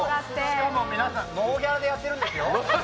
しかも皆さんノーギャラでやってるんですよ。